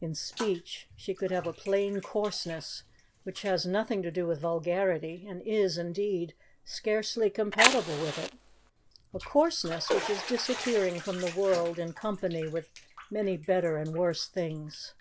In speech she could have a plain coarseness which has nothing to do with vulgarity, and is, indeed, scarcely compatible with it; a coarseness which is disappearing from the world in company with many better and worse things.